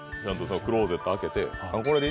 クローゼット開けて。